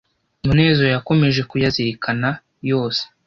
Munezero yakomeje kuyazirikana yose